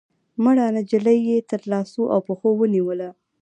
مړه نجلۍ يې تر لاسو او پښو ونيوله